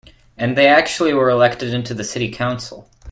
And they actually were elected into the city council.